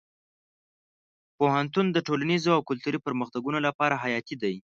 پوهنتون د ټولنیزو او کلتوري پرمختګونو لپاره حیاتي دی.